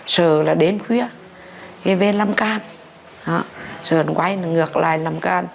sờ là đến khuya cái bên lâm can sờ quay ngược lại lâm can